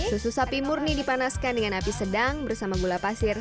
susu sapi murni dipanaskan dengan api sedang bersama gula pasir